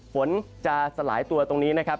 ฝนจะสลายตัวตรงนี้นะครับ